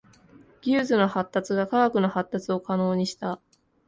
技術の発達が科学の発達を可能にした。